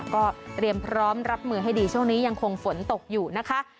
ก็เตรียมพร้อมรับมือให้ดีช่วงนี้ยังคงฝนตกอยู่นะคะ